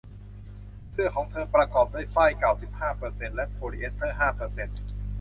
เสื้อของเธอประกอบด้วยฝ้ายเก้าสิบห้าเปอร์เซ็นต์และโพลีเอสเตอร์ห้าเปอร์เซ็นต์